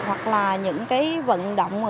hoặc là những vận động